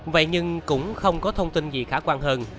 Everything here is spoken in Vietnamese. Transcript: vậy nhưng cũng không có thông tin gì khả quan hơn